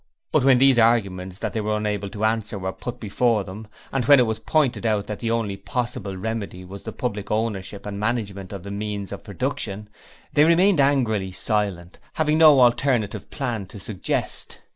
But when these arguments that they were unable to answer were put before them and when it was pointed out that the only possible remedy was the Public Ownership and Management of the Means of production, they remained angrily silent, having no alternative plan to suggest.